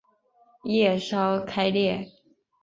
叶鞘开裂。